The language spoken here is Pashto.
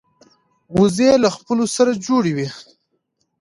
وزې له خپلو سره جوړه وي